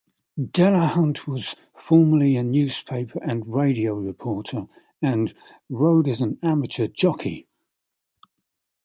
Delahunt was formerly a newspaper and radio reporter and rode as an amateur jockey.